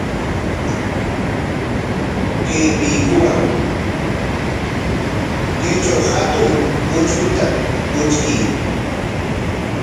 Kay piikuwan kaytraw hatun utrkuta utrkuy.